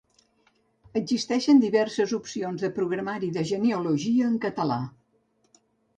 Existeixen diverses opcions de programari de genealogia en català.